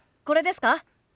これですか？